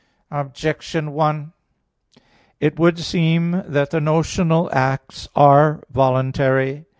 Objection 1: It would seem that the notional acts are voluntary.